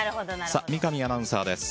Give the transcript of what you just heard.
三上アナウンサーです。